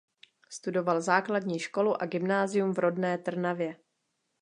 Studoval základní školu a gymnázium v rodné Trnavě.